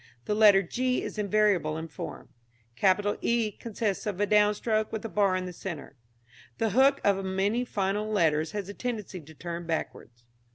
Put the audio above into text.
Letter g is invariable in form. Capital E consists of a downstroke with a bar in the centre. The hook of many final letters has a tendency to turn backwards.